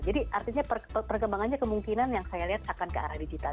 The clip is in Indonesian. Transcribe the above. jadi artinya perkembangannya kemungkinan yang saya lihat akan ke arah digital